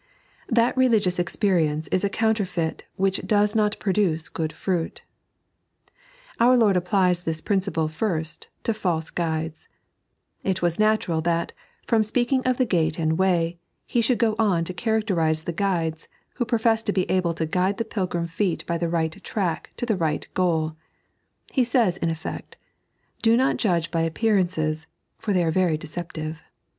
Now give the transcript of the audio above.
That Religious Experience is a Counterfeit which DOBS NOT Fboducb GtooD Fbuit. Our Lord applies this principle, first, to /alee guides. It was natural that, from speaking of the gat« and way, He should go on to charac terise the guides, who profess to be able to guide the pUgrim feet by the right track to the right goal. He says, in effect, Do riot judge by appearcmeea, for they are very deceptive.